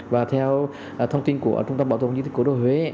và theo thông tin của trung tâm bảo thông di tích của đô huế